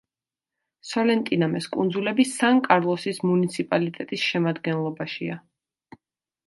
სოლენტინამეს კუნძულები სან კარლოსის მუნიციპალიტეტის შემადგენლობაშია.